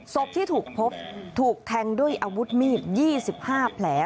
ศพที่ถูกพบถูกแทงด้วยอาวุธมีด๒๕แผล